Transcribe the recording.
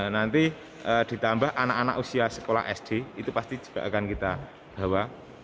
nanti ditambah anak anak usia sekolah sd itu pasti juga akan kita bawa